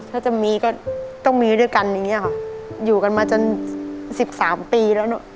ถ้าจะมีก็ต้องมีด้วยกันอย่างเงี้ยค่ะอยู่กันมาจนสิบสามปีแล้วเนอะ